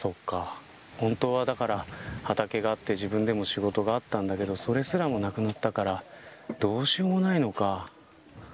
本当は畑があって、自分でも仕事があったんだけどそれすらもなくなったからどうしようもないのか。